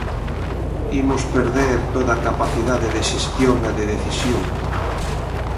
Imos perder toda capacidade de xestión e de decisión.